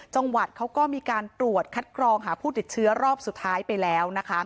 จังหวัดเขาก็มีการตรวจคัดกรองหาผู้ติดเชื้อรอบสุดท้ายไปแล้วนะคะ